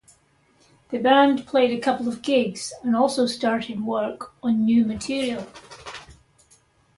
The band played a couple of gigs and also starting work on new material.